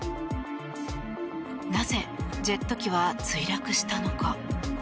なぜジェット機は墜落したのか。